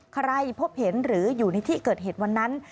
ใครพบเห็นหรืออยู่ในที่เกิดเหตุวันนั้น